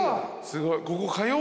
すごい。